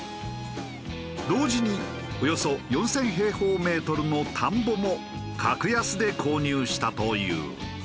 同時におよそ４０００平方メートルの田んぼも格安で購入したという。